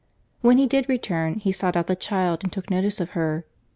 When he did return, he sought out the child and took notice of her.